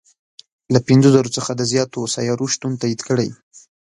له پنځه زرو څخه د زیاتو سیارو شتون تایید کړی.